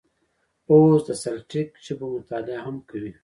اوس د سلټیک ژبو مطالعه هم کوي.